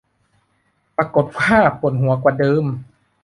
ปรากฏว่าปวดหัวกว่าเดิม